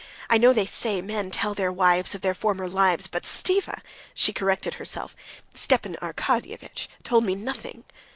I know they say men tell their wives of their former lives, but Stiva"—she corrected herself—"Stepan Arkadyevitch told me nothing.